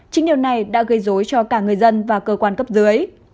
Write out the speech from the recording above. chính điều này đã gây dối cho cả người dân và cơ quan cấp dưới